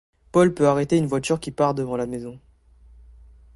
Paul peut arrêter une voiture qui part devant la maison.